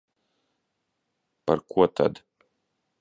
Par ko tad?